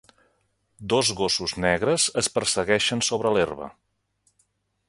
Dos gossos negres es persegueixen sobre l'herba.